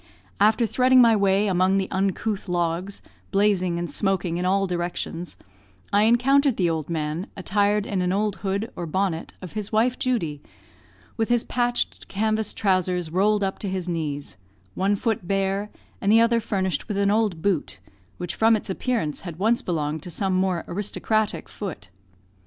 After threading my way among the uncouth logs, blazing and smoking in all directions, I encountered the old man, attired in an old hood, or bonnet, of his wife Judy, with his patched canvas trousers rolled up to his knees; one foot bare, and the other furnished with an old boot, which from its appearance had once belonged to some more aristocratic foot.